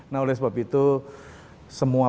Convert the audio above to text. nah oleh sebab itu semua